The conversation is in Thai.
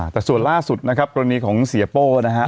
แต่ส่วนล่าสุดนะครับกรณีของเสียโป้นะฮะ